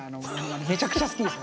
めちゃくちゃ好きです。